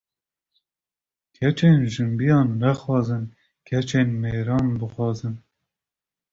Keçên jinbiyan nexwazin keçên mêran bixwazin